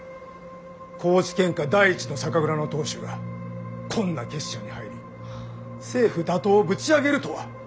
高知県下第一の酒蔵の当主がこんな結社に入り政府打倒をぶち上げるとは！